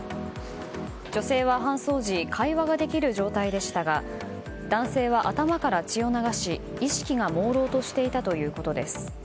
女性は搬送時会話ができる状態でしたが男性は頭から血を流し意識がもうろうとしていたということです。